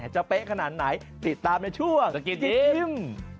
จะเป๊ะขนาดไหนติดตามในช่วงสกิน